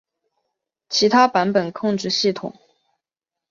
其他版本控制系统